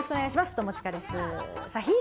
友近です。